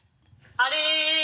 あれ。